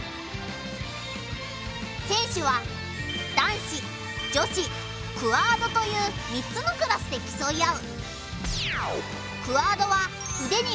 選手は男子女子クアードという３つのクラスできそい合う。